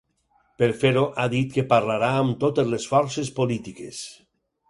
Per fer-ho, ha dit que parlarà amb totes les forces polítiques.